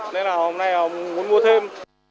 nên hôm nay muốn mua thêm